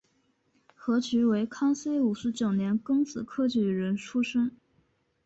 何衢为康熙五十九年庚子科举人出身。